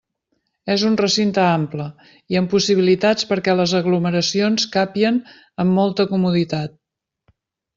És un recinte ample, i amb possibilitats perquè les aglomeracions càpien amb molta comoditat.